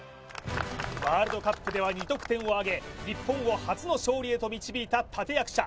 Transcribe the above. ワールドカップでは２得点をあげ日本を初の勝利へと導いた立て役者